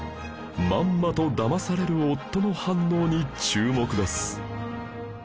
まんまと騙される夫の反応に注目です